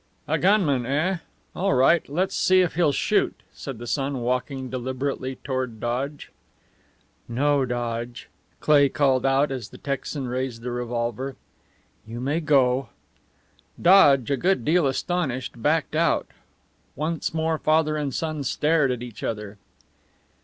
"A gunman, eh? All right. Let's see if he'll shoot," said the son, walking deliberately toward Dodge. "No, Dodge!" Cleigh called out as the Texan, raised the revolver. "You may go." Dodge, a good deal astonished, backed out. Once more father and son stared at each other.